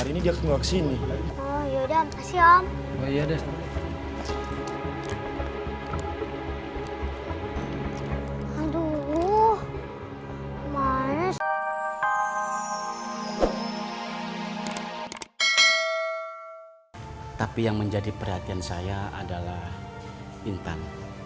ini dia ke sini ya udah siap ya deh aduh maen tapi yang menjadi perhatian saya adalah intan